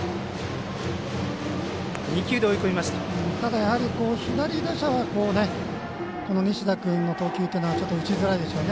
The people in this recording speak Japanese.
やはり左打者の西田君の投球というのは打ちづらいでしょうね。